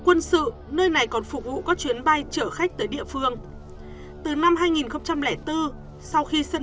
quân sự nơi này còn phục vụ các chuyến bay chở khách tới địa phương từ năm hai nghìn bốn sau khi sân